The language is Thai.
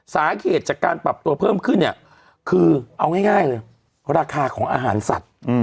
สาเหตุจากการปรับตัวเพิ่มขึ้นเนี่ยคือเอาง่ายเลยราคาของอาหารสัตว์